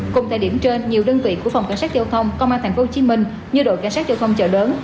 cùng thời điểm trên nhiều đơn vị của phòng cảnh sát giao thông công an tp hcm như đội cảnh sát giao thông chợ bến